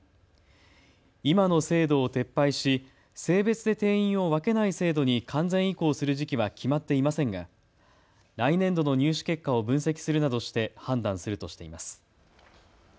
今の制度を撤廃し性別で定員を分けない制度に完全移行する時期は決まっていませんが来年度の入試結果を分析するなどして判断するとしています。